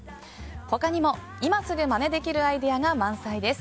他にも、今すぐマネできるアイデアが満載です。